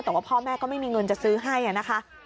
แต่ว่าพ่อแม่ก็ไม่มีเงินจะซื้อให้นะคะ